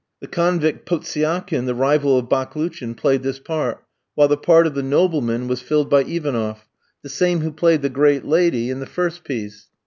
The convict Potsiakin, the rival of Baklouchin, played this part, while the part of the nobleman was filled by Ivanoff, the same who played the great lady in the first piece.